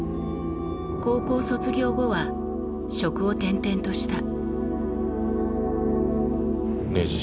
高校卒業後は職を転々とした。